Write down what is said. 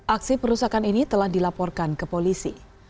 aksi perusakan ini telah dilaporkan ke polisi